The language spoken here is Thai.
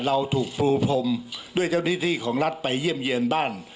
เราถูกปูพรมด้วยเจ้าหน้าที่ของรัฐไปเยี่ยมเยี่ยนบ้าน